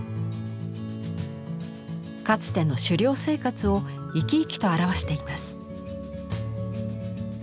かつての狩猟生活を生き生きと表しています。